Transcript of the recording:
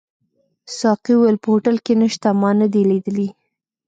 ساقي وویل: په هوټل کي نشته، ما نه دي لیدلي.